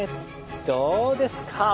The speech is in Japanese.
どうですか！